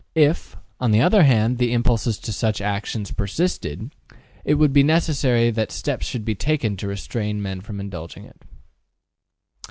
If, on the other hand, the impulse to such actions persisted, it would be necessary that steps should be taken to restrain men from indulging it.